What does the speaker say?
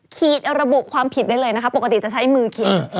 ระบุความผิดได้เลยนะคะปกติจะใช้มือขีด